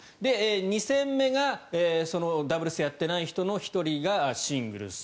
２戦目がダブルスやっていない人の１人がシングルス。